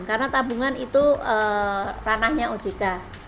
karena tabungan itu ranahnya ojk